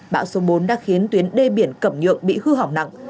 bão số bốn đã khiến tuyến đê biển cẩm nhượng bị hư hỏng nặng